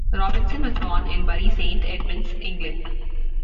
Robinson was born in Bury Saint Edmunds, England.